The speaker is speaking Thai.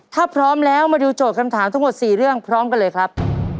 ถ้าพร้อมแล้วมาดูโจทย์คำถามทั้งหมด๔เรื่องพร้อมกันเลยครับ